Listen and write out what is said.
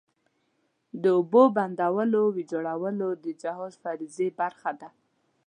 د اوبو بندونو ویجاړول د جهاد فریضې برخه ده.